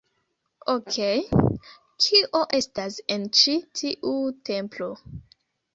Okej, kio estas en ĉi tiu templo?